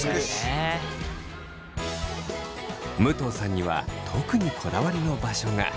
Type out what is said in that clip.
武藤さんには特にこだわりの場所が。